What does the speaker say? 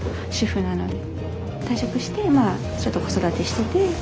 退職してちょっと子育てしてて。